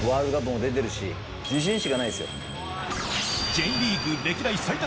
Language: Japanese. Ｊリーグ歴代最多